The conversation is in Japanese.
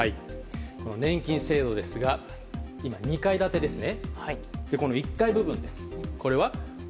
年金制度ですが今、２階建てですね。